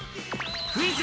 クイズ！